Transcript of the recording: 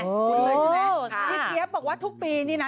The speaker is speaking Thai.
พี่เจี๊ยบบอกว่าทุกปีนี้นะ